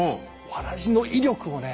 わらじの威力をね